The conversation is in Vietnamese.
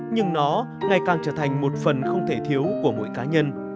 nhưng nó ngày càng trở thành một phần không thể thiếu của mỗi cá nhân